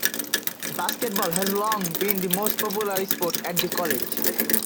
Basketball has long been the most popular sport at the college.